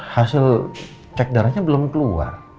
hasil cek darahnya belum keluar